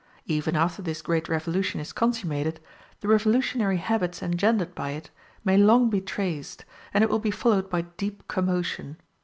Even after this great revolution is consummated, the revolutionary habits engendered by it may long be traced, and it will be followed by deep commotion.